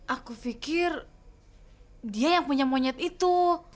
aku pikir dia yang punya monyet itu